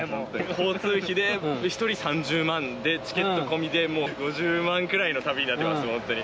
交通費で１人３０万で、チケット込みでもう５０万くらいの旅になってます、本当に。